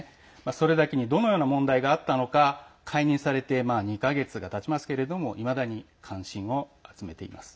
それだけにどのような問題があったのか解任されて２か月がたちますけどいまだに関心を集めています。